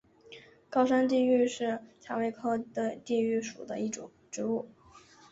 高山地榆是蔷薇科地榆属的植物。